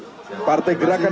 antara partai gerakan